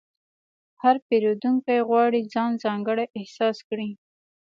هر پیرودونکی غواړي ځان ځانګړی احساس کړي.